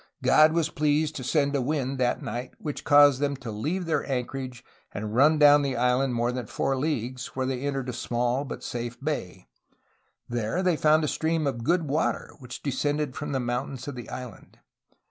''God was pleased' ' to send a wind that night which caused them to leave their anchorage and run down the island more than four leagues, where they entered a small but safe bay. There they found a stream of good water, which descended from the mountains of the island.